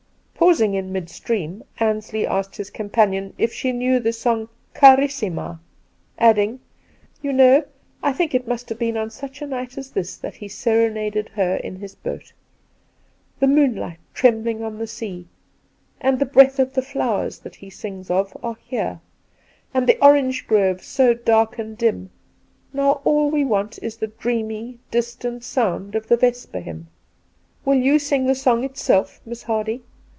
Pausing in midstream, Ansley asked his com panion if she knew the song ' Carissima,' adding, 'You know, I think it must have been on such a night as this that he serenaded her in his boat. " The moonlight trembling on the, sea," and " the breath of flowers," that he sings of are here, and " the orange groves so dark and dim "— now all, we want is the dreamy, distant sound of the " Vesper Hymn." Will you sing the song itself, Miss Hardy?